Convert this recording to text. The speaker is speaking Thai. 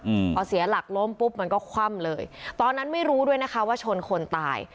อืมพอเสียหลักล้มปุ๊บมันก็คว่ำเลยตอนนั้นไม่รู้ด้วยนะคะว่าชนคนตาย